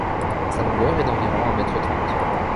Sa longueur est d'environ un mètre trente.